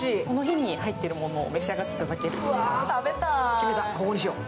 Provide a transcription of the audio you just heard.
決めた、ここにしよう。